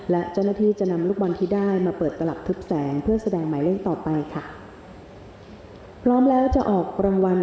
เลขที่ออก๕๓๓๕๓๓ฟังอีกครั้งนะคะรางวัลเล็กหน้าสามตัวครั้งที่สอง